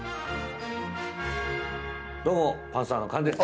どうも、パンサーの菅です。